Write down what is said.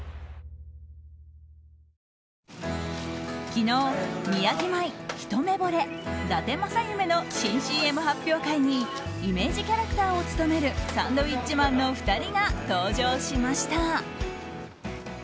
昨日、宮城米ひとめぼれ、だて正夢の新ＣＭ発表会にイメージキャラクターを務めるサンドウィッチマンの２人が登場しました。